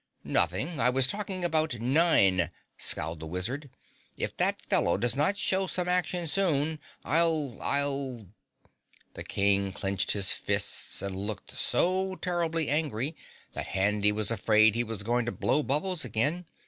"Nothing. I was talking about Nine," scowled the Wizard. "If that fellow does not show some action soon, I'll I'll " The King clenched his fists and looked so terribly angry that Handy was afraid he was going to blow bubbles again.